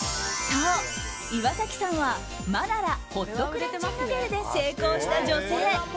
そう、岩崎さんはマナラホットクレンジングゲルで成功した女性。